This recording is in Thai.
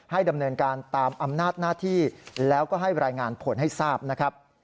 ดำเนินการตามอำนาจหน้าที่แล้วก็ให้รายงานผลให้ทราบนะครับ